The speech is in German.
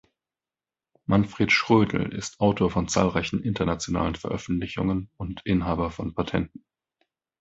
Manfred Schrödl ist Autor von zahlreichen internationalen Veröffentlichungen und Inhaber von Patenten.